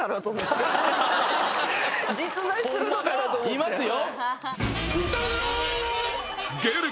いますよ。